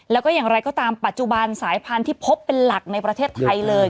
แล้วก็อย่างไรก็ตามปัจจุบันสายพันธุ์ที่พบเป็นหลักในประเทศไทยเลย